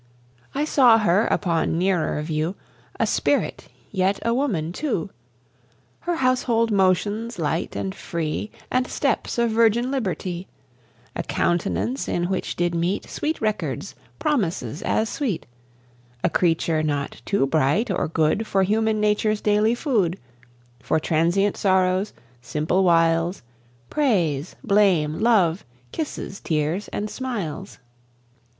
I saw her upon nearer view, A Spirit, yet a Woman too! Her household motions light and free, And steps of virgin liberty; A countenance in which did meet Sweet records, promises as sweet; A Creature not too bright or good For human nature's daily food; For transient sorrows, simple wiles, Praise, blame, love, kisses, tears, and smiles.